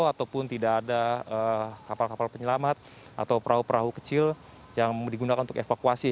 ataupun tidak ada kapal kapal penyelamat atau perahu perahu kecil yang digunakan untuk evakuasi